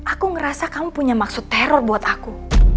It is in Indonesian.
aku ngerasa kamu punya maksud teror buat aku